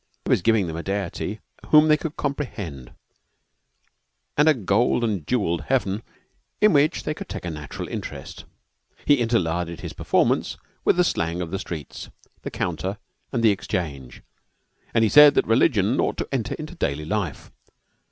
He was giving them a deity whom they could comprehend, and a gold and jewelled heaven in which they could take a natural interest. He interlarded his performance with the slang of the streets, the counter, and the exchange, and he said that religion ought to enter into daily life.